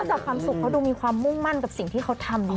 จากความสุขเขาดูมีความมุ่งมั่นกับสิ่งที่เขาทำ